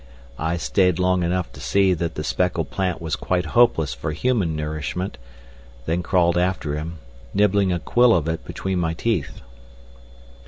I stayed long enough to see that the speckled plant was quite hopeless for human nourishment, then crawled after him, nibbling a quill of it between my teeth.